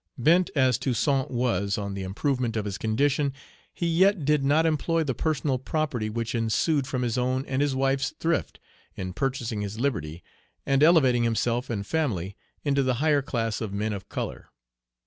Bent as Toussaint was on the improvement of his condition, he yet did not employ the personal property which ensued from his own and his wife's thrift, in purchasing his liberty, and elevating himself and family into the higher class of men of color.